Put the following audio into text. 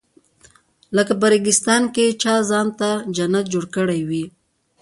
لکه په ریګستان کې چا ځان ته جنت جوړ کړی وي.